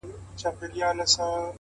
• وزيرانو ته پرې ايښى بې دربار وو,